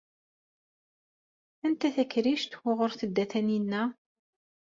Anta takrict wuɣur tedda Taninna?